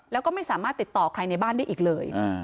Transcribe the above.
แล้วก็ไม่สามารถติดต่อใครในบ้านได้อีกเลย